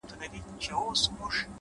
اراده د لارې خنډونه کوچني کوي.!